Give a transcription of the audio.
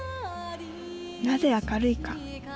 なぜ明るいか。